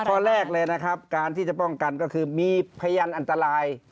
ข้อแรกเลยนะครับการที่จะป้องกันก็คือมีพยานอันตราย